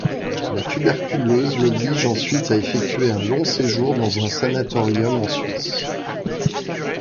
La tuberculose l'oblige ensuite à effectuer un long séjour dans un sanatorium en Suisse.